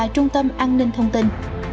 trung tâm an ninh thông tin